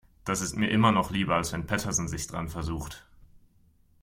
Das ist mir immer noch lieber, als wenn Petersen sich daran versucht.